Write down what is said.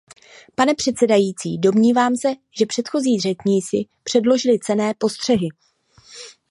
Pane předsedající, domnívám se, že předchozí řečníci předložili cenné postřehy.